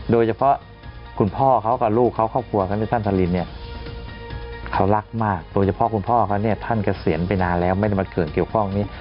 โดยเฉพาะคุณพ่อเขากับลูกเขาครอบครัวเขาที่ท่านทรินเนี่ยเขารักมากโดยเฉพาะคุณพ่อเขาเนี่ยท่านเกษียณไปนานแล้วไม่ได้มาเกิดเกี่ยวข้องนี้